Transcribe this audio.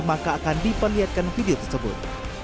maka akan diperlihatkan video tersebut